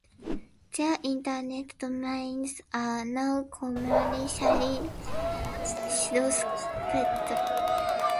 Their Internet domains are now commercially cybersquatted.